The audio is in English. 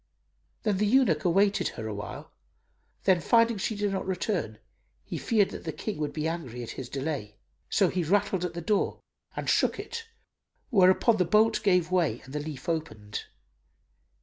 Then the eunuch awaited her awhile; then, finding she did not return, he feared that the King would be angry at his delay; so he rattled at the door and shook it, whereupon the bolt gave way and the leaf opened.